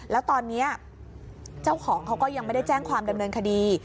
แล้วตอนนี้เจ้าของเขาก็ยังไม่ได้แจ้งความดำเนินคดี